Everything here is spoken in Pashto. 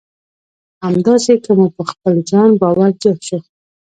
همداسې که مو په خپل ځان باور زیات شو.